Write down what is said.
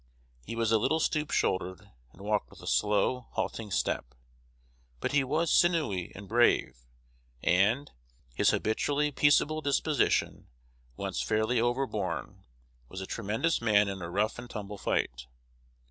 He was a little stoop shouldered, and walked with a slow, halting step. But he was sinewy and brave, and, his habitually peaceable disposition once fairly overborne, was a tremendous man in a rough and tumble fight.